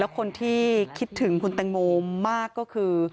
คนที่คิดถึงคุณแตงโมมากก็คือ